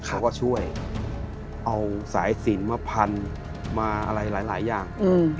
เขาก็ช่วยเอาสายสินมาพันมาอะไรหลายอย่าง